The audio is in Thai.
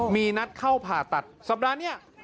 มีนัดเข้าผ่าตัดสัปดาห์นี้